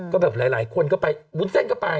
ก็แบบหลายคนก็ไปวุ้นเส้นก็ไป